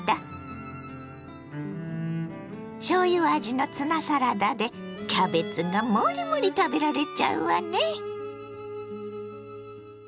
しょうゆ味のツナサラダでキャベツがモリモリ食べられちゃうわね。